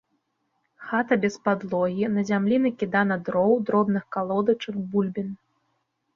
Хата без падлогі, на зямлі накідана дроў, дробных калодачак, бульбін.